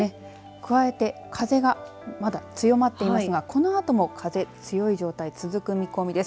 加えて風が、まだ強まっていますがこのあとも風強い状態、続く見込みです。